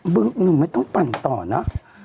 หนุ่มไม่ต้องปั่นต่อนะ